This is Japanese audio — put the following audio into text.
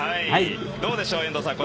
どうでしょう、遠藤さん